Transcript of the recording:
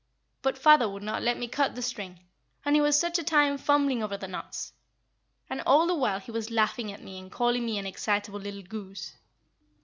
But father would not let me cut the string, and he was such a time fumbling over the knots; and all the while he was laughing at me and calling me an excitable little goose.